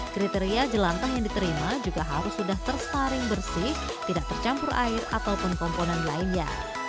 kriteria jelantah yang diterima juga harus sudah tersaring bersih tidak tercampur air ataupun komponen lainnya